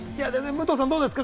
武藤さん、どうですか？